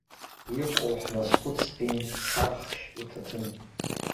Иҟоу ҳназхәыцпи, сархшь уҭаҭын.